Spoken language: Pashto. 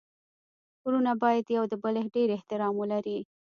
ورونه باید يو د بل ډير احترام ولري.